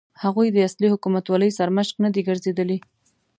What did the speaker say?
هغوی د اصلي حکومتولۍ سرمشق نه دي ګرځېدلي.